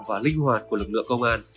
và linh hoạt của lực lượng công an